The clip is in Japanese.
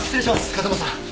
風間さん。